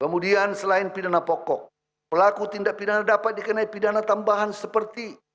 kemudian selain pidana pokok pelaku tindak pidana dapat dikenai pidana tambahan seperti